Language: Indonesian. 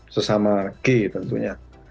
sesama gay tentunya